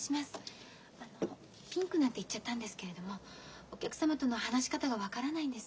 ピンクなんて言っちゃったんですけれどもお客様との話し方が分からないんです。